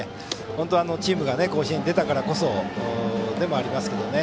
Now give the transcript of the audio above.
本当、チームが甲子園に出たからこそでもありますけどね。